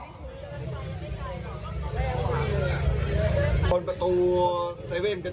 ไทนี้ก็คือเทพธุนทริพอีกที